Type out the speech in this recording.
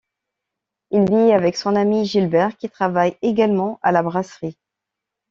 Il vit avec son ami Gilbert, qui travaille également à la brasserie.